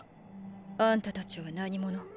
あんたたちは何者？